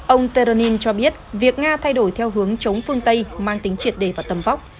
ông taronin cho biết việc nga thay đổi theo hướng chống phương tây mang tính triệt đề và tầm vóc